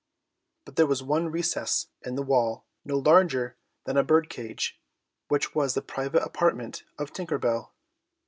But there was one recess in the wall, no larger than a bird cage, which was the private apartment of Tinker Bell.